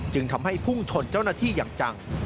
จึงทำให้พุ่งชนเจ้าหน้าที่อย่างจัง